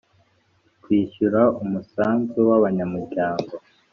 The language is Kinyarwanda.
Kwishyura umusanzu w abanyamuryango